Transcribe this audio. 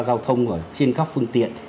giao thông trên các phương tiện